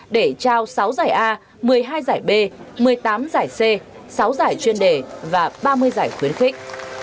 để trao sáu giải a một mươi hai giải b một mươi tám giải c sáu giải chuyên đề và ba mươi giải khuyến khích